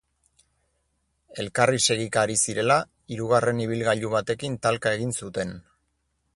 Elkarri segika ari zirela, hirugarren ibilgailu batekin talka egin zuten.